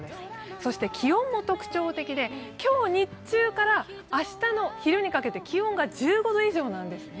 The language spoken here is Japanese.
そして気温も特徴的で、今日日中から明日の昼にかけて気温が１５度以上なんですね。